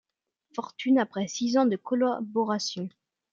Fortune après six ans de collaboration.